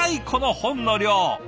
この本の量。